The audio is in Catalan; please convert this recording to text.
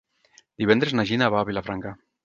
Divendres na Gina va a Vilafranca.